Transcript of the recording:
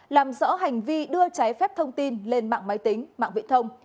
làm rõ hành vi đưa trái phép thông tin lên mạng máy tính mạng viễn thông